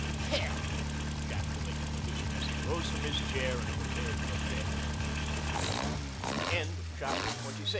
"Hell," ejaculated the Lizard as he rose from his chair and prepared for bed. CHAPTER XXVII. THE TRIAL.